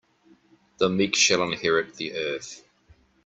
The meek shall inherit the earth.